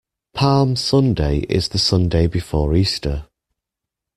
Palm Sunday is the Sunday before Easter.